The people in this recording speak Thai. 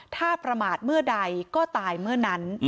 ถ้าประมาทเมื่อใดก็ตายเมื่อนั้น